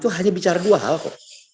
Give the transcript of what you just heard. itu hanya bicara dua hal kok